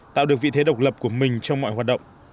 tạo được vị thế độc lập của mình trong mọi hoạt động